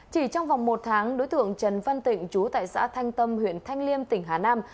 chỉ trong vòng một tháng đối tượng trần văn tịnh chú tại xã thanh tâm huyện thanh liêm tỉnh hà nam